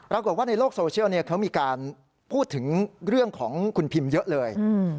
ปรากฏว่าในโลกโซเชียลเขามีการพูดถึงเรื่องของคุณพิมเยอะเลย